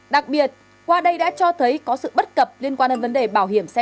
đặc biệt qua đây đã cho thấy có sự bất cập liên quan đến vấn đề bảo hiểm xe